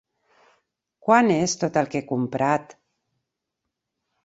Quant és tot el que he comprat?